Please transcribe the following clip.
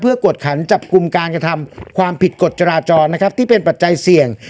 กวดขันจับกลุ่มการกระทำความผิดกฎจราจรนะครับที่เป็นปัจจัยเสี่ยง